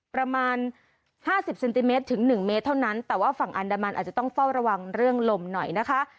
ประมาณห้าสิบเซนติเมตรถึง๑เมตรเท่านั้นแต่ว่าฝั่งอันดามันอาจจะต้องเฝ้าระวังเรื่องลมหน่อยนะคะ